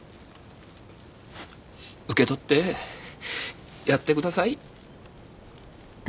受け取ってやってください。